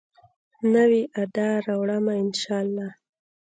نوي ادا راوړمه، ان شاالله